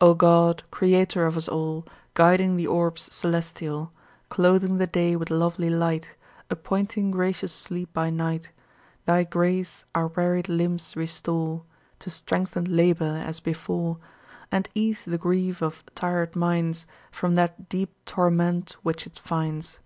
"O God, Creator of us all, Guiding the orbs celestial, Clothing the day with lovely light, Appointing gracious sleep by night: Thy grace our wearied limbs restore To strengthened labor, as before, And ease the grief of tired minds From that deep torment which it finds."